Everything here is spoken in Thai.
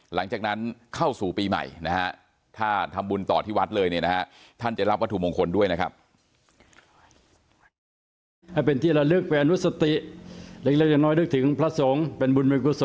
หลังจากนั้นเข้าสู่ปีใหม่นะฮะถ้าทำบุญต่อที่วัดเลยเนี่ยนะฮะท่านจะรับวัตถุมงคลด้วยนะครับ